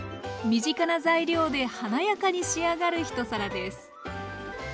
身近な材料で華やかに仕上がる一皿です。